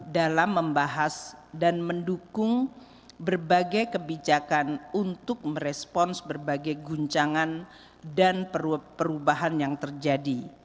dalam membahas dan mendukung berbagai kebijakan untuk merespons berbagai guncangan dan perubahan yang terjadi